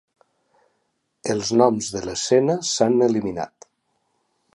Els noms de l'escena s'han eliminat.